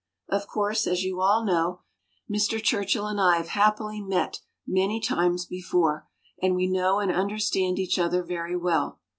Of course, as you all know, Mr. Churchill and I have happily met many times before, and we know and understand each other very well.